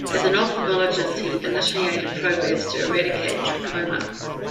As an ophthalmologist, he initiated programs to eradicate trachoma.